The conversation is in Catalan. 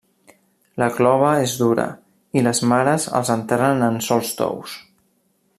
La clova és dura i les mares els enterren en sòls tous.